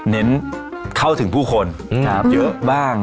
เน้นเข้าถึงผู้คนเยอะบ้าง